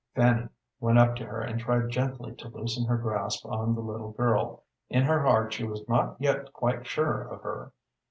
Fanny went up to her and tried gently to loosen her grasp of the little girl. In her heart she was not yet quite sure of her.